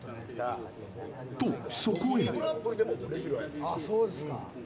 と、そこへ。